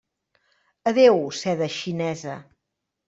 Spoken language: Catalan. Adéu seda xinesa!